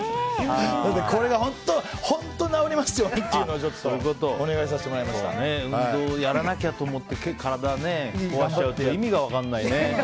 これが本当に治りますようにというのを運動をやらなきゃと思って体壊しちゃうって意味が分からないね。